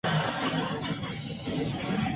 El sultán habría insistido en la lucha.